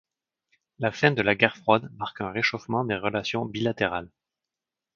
La fin de la guerre froide marque un réchauffement des relations bilatérales.